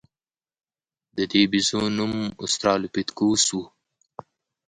د دې بیزو نوم اوسترالوپیتکوس و.